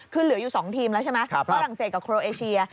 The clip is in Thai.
คือเหลืออยู่๒ทีมแล้วใช่ไหมฝรั่งเศสกับโครเอเชีย